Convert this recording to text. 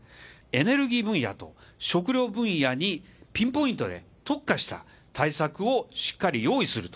エネルギー分野と食料分野にピンポイントで特化した対策をしっかり用意する。